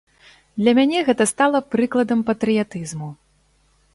Для мяне гэта стала прыкладам патрыятызму.